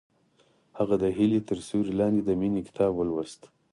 هغې د هیلې تر سیوري لاندې د مینې کتاب ولوست.